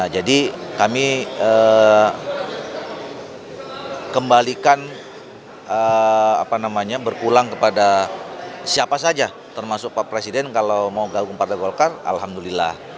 jadi kami kembalikan berkulang kepada siapa saja termasuk pak presiden kalau mau bergabung dengan partai golkadi alhamdulillah